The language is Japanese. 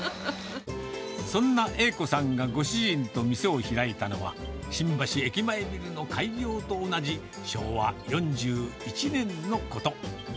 そんな栄子さんがご主人と店を開いたのは、新橋駅前ビルの開業と同じ、昭和４１年のこと。